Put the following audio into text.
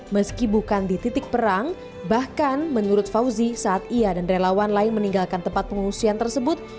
meski bukan di titik perang bahkan menurut fauzi saat ia dan relawan lain meninggalkan tempat pengungsian tersebut